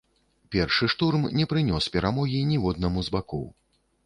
Першы штурм не прынёс перамогі ніводнаму з бакоў.